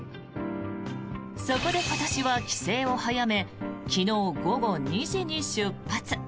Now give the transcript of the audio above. そこで今年は帰省を早め昨日午後２時に出発。